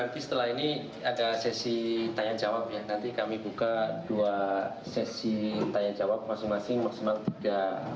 terima kasih pak arief